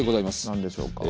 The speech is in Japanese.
何でしょうか？